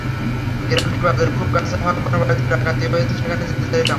গ্রামটি বাজারের খুব কাছে হওয়ায় কোন বাড়িতে ডাকাতি হয়েছে সেখানে যেতে চাইলাম।